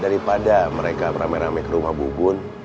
daripada mereka ramai ramai ke rumah bu bun